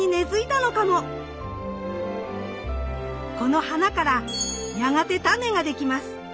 この花からやがてタネができます。